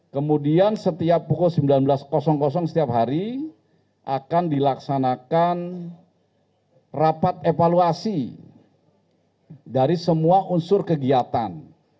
kemudian setiap pukul sembilan belas setiap hari akan dilaksanakan rapat evaluasi dari semua unsur kegiatan